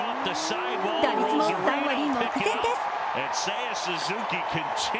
打率も３割目前です。